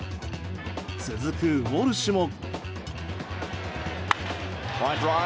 続くウォルシュも。